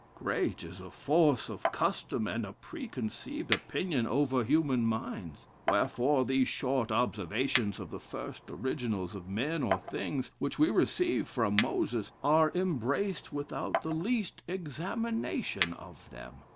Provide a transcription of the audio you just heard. "Great is the force of custom and a preconceived opinion over human minds. Wherefore, these short observations of the first originals of men or things, which we receive from Moses, are embraced without the least examination of them.